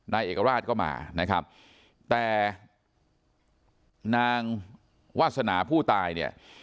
นายเอกราชก็มานะครับแต่นางวาสนาผู้ตายเนี่ย